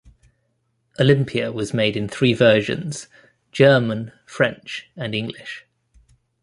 "Olympia" was made in three versions: German, French and English.